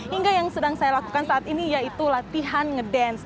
hingga yang sedang saya lakukan saat ini yaitu latihan ngedance